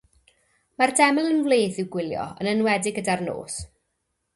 Mae'r deml yn wledd i'w gwylio yn enwedig gyda'r nos.